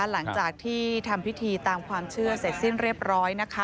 หลังจากที่ทำพิธีตามความเชื่อเสร็จสิ้นเรียบร้อย